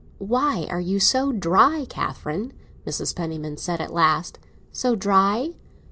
"Why are you so dry, Catherine?" Mrs. Penniman said at last. "So dry?"